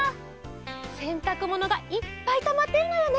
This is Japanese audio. せんたくものがいっぱいたまっているのよね。